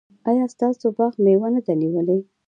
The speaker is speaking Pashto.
ایا ستاسو باغ مېوه نه ده نیولې؟